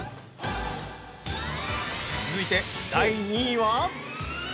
◆続いて、第２位は？